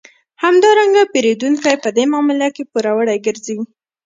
همدارنګه پېرودونکی په دې معامله کې پوروړی ګرځي